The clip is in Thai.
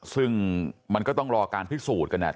ซึ่งมันก็ต้องรอการพิสูจน์กันเนี่ย